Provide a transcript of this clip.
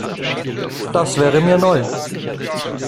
Das wäre mir neu.